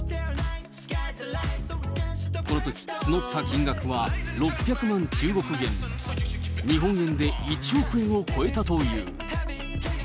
このとき、募った金額は６００万中国元、日本円で１億円を超えたという。